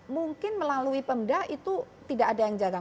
mungkin melalui pemda itu tidak ada yang jarang